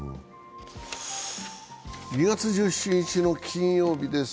２月１７日の金曜日です。